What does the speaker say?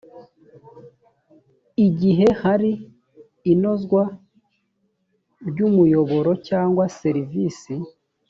igihe hari inozwa ry umuyoboro cyangwa serivisi